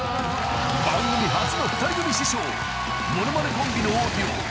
［番組初の２人組師匠］